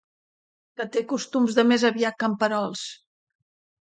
Que té costums més aviat camperols.